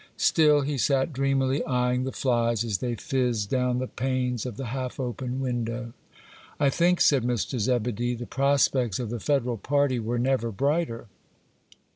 Still he sat dreamily eyeing the flies as they fizzed down the panes of the half open window. 'I think,' said Mr. Zebedee, 'the prospects of the Federal party were never brighter.